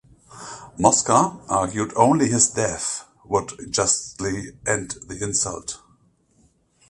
Mosca argued only his death would justly end the insult.